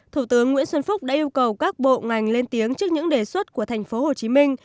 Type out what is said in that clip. thủ tướng nguyễn xuân phúc đã yêu cầu các bộ ngành lên tiếng trước những đề xuất của thành phố hồ chí minh